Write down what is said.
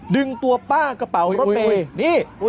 ดึงตัวป้ากระเป๋ารถเมย์นี่